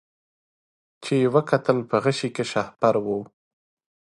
چي یې وکتل په غشي کي شهپر وو